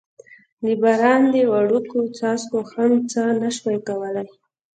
د باران دې وړوکو څاڅکو هم څه نه شوای کولای.